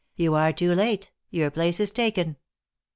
You are too late; your place is taken."